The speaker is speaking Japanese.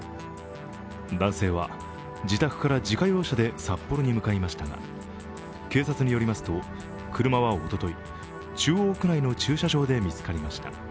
男性は自宅から自家用車で札幌に向かいましたが警察によりますと、車はおととい中央区内の駐車場で見つかりました。